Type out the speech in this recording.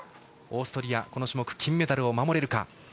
オーストリアこの種目、金メダルを守れるか。